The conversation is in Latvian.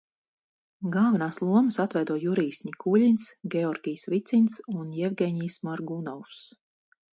Galvenās lomas atveido Jurijs Ņikuļins, Georgijs Vicins un Jevgeņijs Morgunovs.